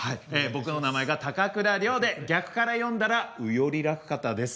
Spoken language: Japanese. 僕の名前が高倉陵で逆から読んだら「うよりらくかた」です。